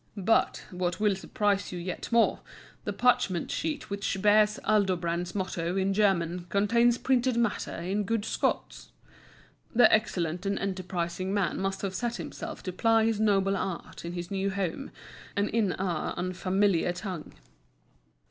But, what will surprise you yet more, the parchment sheet which bears Aldobrand's motto in German contains printed matter in good Scots! This excellent and enterprising man must have set himself to ply his noble art in his new home, and in our unfamiliar tongue.